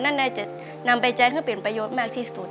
นั่นน่าจะนำไปใช้เครื่องเปลี่ยนประโยชน์มากที่สุด